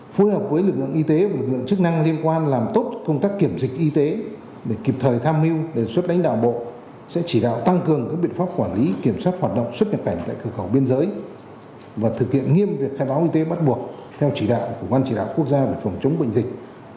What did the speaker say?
phối hợp với lực lượng y tế và lực lượng chức năng liên quan làm tốt công tác kiểm dịch y tế để kịp thời tham mưu đề xuất đánh đạo bộ sẽ chỉ đạo tăng cường các biện pháp quản lý kiểm soát hoạt động xuất nhập cảnh tại cửa khẩu biên giới và thực hiện nghiêm việc khai báo y tế bắt buộc theo chỉ đạo của ban chỉ đạo quốc gia về phòng chống bệnh dịch